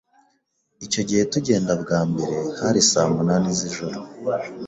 Icyo gihe tugenda bwa mbere hari saa munani z’ijoro